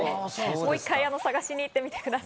もう一回、探しに行ってみてください。